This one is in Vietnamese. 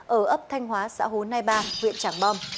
hộ ấp thanh hóa xã hồ nai ba huyện tràng bom